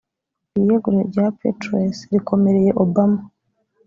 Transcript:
Iri yegura rya Petraeus rikomereye Obama